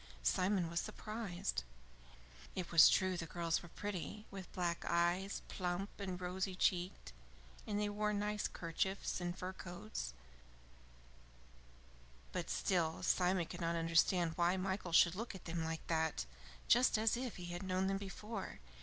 Simon was surprised. It was true the girls were pretty, with black eyes, plump, and rosy cheeked, and they wore nice kerchiefs and fur coats, but still Simon could not understand why Michael should look at them like that just as if he had known them before.